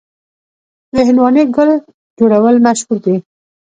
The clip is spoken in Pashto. د هندواڼې ګل جوړول مشهور دي.